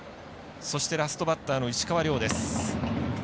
そして、ラストバッターの石川亮。